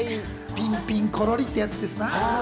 ピンピンコロリってやつですな。